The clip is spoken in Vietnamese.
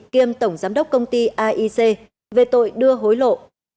kiêm tổng giám đốc công ty aic về tội đưa hối lộ